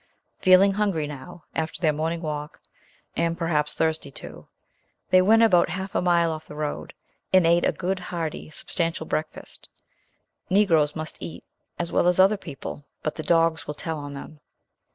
Feeling hungry now, after their morning walk, and perhaps thirsty, too, they went about half a mile off the road, and ate a good, hearty, substantial breakfast. Negroes must eat, as well as other people, but the dogs will tell on them.